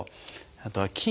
あとは筋